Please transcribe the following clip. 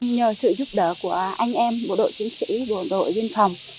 nhờ sự giúp đỡ của anh em bộ đội chiến sĩ bộ đội biên phòng